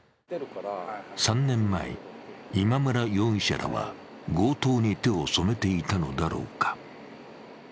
３年前、今村容疑者らは強盗に手を染めていたのだろうか。